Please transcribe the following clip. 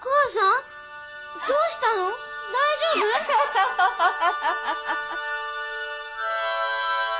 ハハハハ！